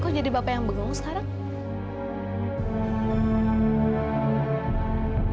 kok jadi bapak yang begong sekarang